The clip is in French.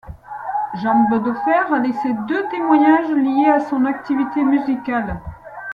Jambe de Fer a laissé deux témoignages liés à son activité musicale.